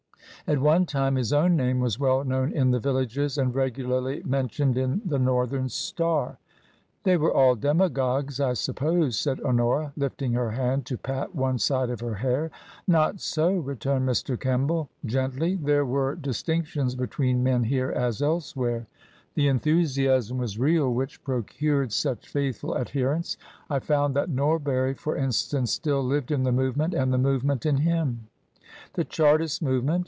At one time his own name was well known in the villages, and regularly mentioned in the Northern Star'' " They were all demagogues, I suppose," said Honora. lifling her hand to pat one side of her hair. " Not so," returned Mr. Kemball, gently ;" there were distinctions between men here as elsewhere. The enthu siasm was real which procured such faithful adherents, I found that Norbury, for instance, still lived in the movement and the movement in him." " The Chartist movement